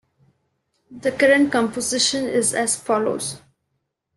The current composition is as follows.